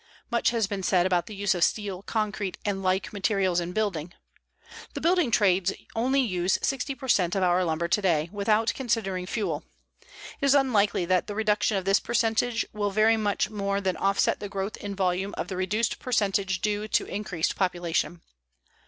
Much has been said about the use of steel, concrete and like materials in building. The building trades only use 60 per cent of our lumber today, without considering fuel. It is unlikely that the reduction of this percentage will very much more than offset the growth in volume of the reduced percentage due to increased population.